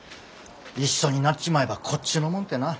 一緒になっちまえばこっちのもんってな。